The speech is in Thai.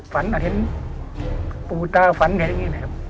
ฝันอาทิตย์ปูต้าฝันอะไรอย่างนี้แหละครับ